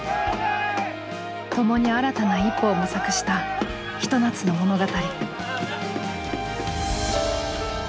共に新たな一歩を模索したひと夏の物語。